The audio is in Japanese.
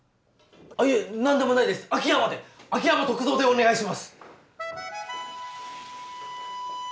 いえ何でもないです秋山で秋山篤蔵でお願いします